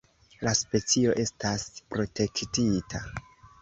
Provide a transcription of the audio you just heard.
La specio estas protektita.